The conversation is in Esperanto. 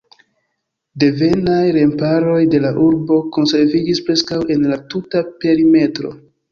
Devenaj remparoj de la urbo konserviĝis preskaŭ en la tuta perimetro.